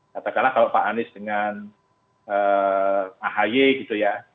katakanlah kalau pak anies dengan ahy gitu ya